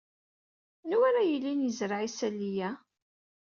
Anwa ara yilin yezreɛ isali-a?